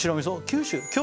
九州？